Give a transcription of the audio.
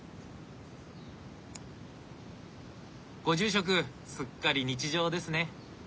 ご住職すっかり日常ですね。